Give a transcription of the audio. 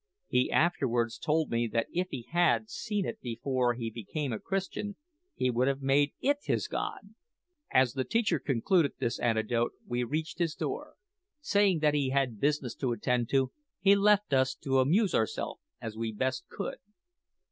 He afterwards told me that if he had seen it before he became a Christian, he would have made it his god!" As the teacher concluded this anecdote we reached his door. Saying that he had business to attend to, he left us to amuse ourselves as we best could.